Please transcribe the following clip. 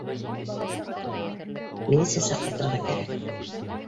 Ми лиция саҡыртырға кәрәк